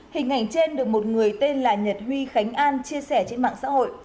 hình ảnh trên được một người tên là nhật huy khánh an chia sẻ trên mạng xã hội